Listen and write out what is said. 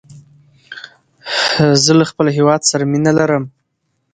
زه له خپل هيواد سره مینه لرم.